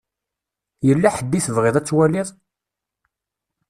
Yella ḥedd i tebɣiḍ ad twaliḍ?